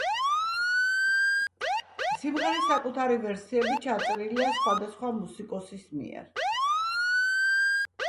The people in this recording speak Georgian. სიმღერის საკუთარი ვერსიები ჩაწერილია სხვადასხვა მუსიკოსის მიერ.